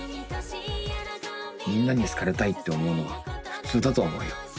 みんなに好かれたいって思うのは普通だと思うよ。